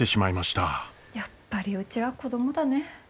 やっぱりうちは子供だね。